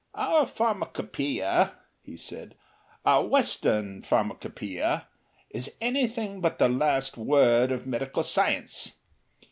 "Our Pharmacopoeia," he said, "our Western Pharmacopoeia, is anything but the last word of medical science.